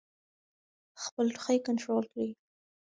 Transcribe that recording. خپل ټوخی کنټرول کړئ.